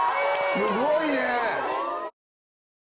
すごいね！